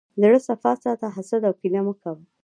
زړه صفا ساته، حسد او کینه مه کوه.